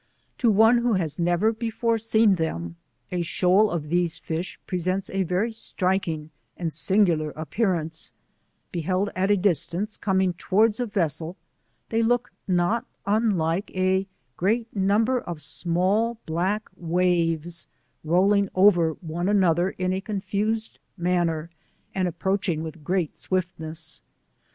' To one who has never before seen them, a shaol of these fish presents a very striking and singular appearance ; beheld at a distance com ing towards a vessel they look not unlike a great number of small black waves rolling over one another in a confused manner and approaching with great swiftness.